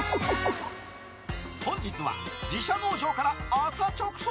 本日は、自社農場から朝直送！